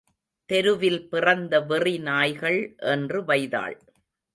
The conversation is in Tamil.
தெருவில் பிறந்த வெறி நாய்கள் என்று வைதாள்.